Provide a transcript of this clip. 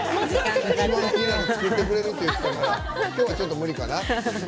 今日はちょっと無理かな。